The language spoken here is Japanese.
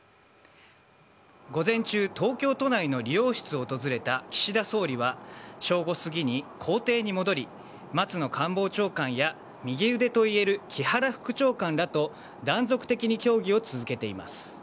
午前中、東京都内の理容室を訪れた岸田総理は正午すぎに公邸に戻り松野官房長官や右腕といえる木原副長官らと断続的に協議を続けています。